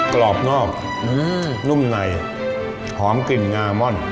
กรอบนอกนุ่มในหอมกลิ่นงามอน